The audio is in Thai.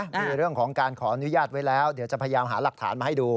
มีเรื่องของการขออนุญาตไว้แล้วเดี๋ยวจะพยายามหาหลักฐานมาให้ดู